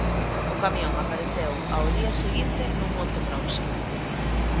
O camión apareceu ao día seguinte nun monte próximo.